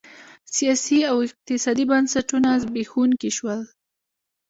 سیاسي او اقتصادي بنسټونه زبېښونکي شول.